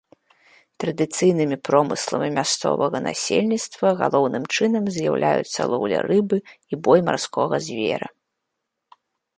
Традыцыйнымі промысламі мясцовага насельніцтва галоўным чынам з'яўляюцца лоўля рыбы і бой марскога звера.